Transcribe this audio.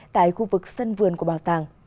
tại khu vực sân vườn của bảo tàng